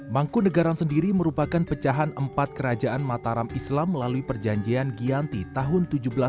mangkunagaran sendiri merupakan pecahan empat kerajaan mataram islam melalui perjanjian giyanti tahun seribu tujuh ratus enam puluh